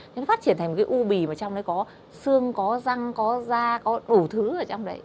nên phát triển thành một cái u bì mà trong đấy có xương có răng có da có đủ thứ ở trong đấy